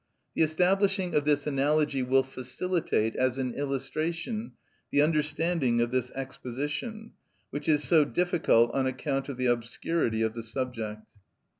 The establishing of this analogy will facilitate, as an illustration, the understanding of this exposition, which is so difficult on account of the obscurity of the subject.